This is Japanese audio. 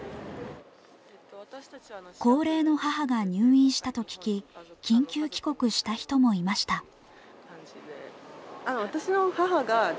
高齢の母が入院したと聞き緊急帰国した人もいました。